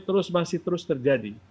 terus masih terus terjadi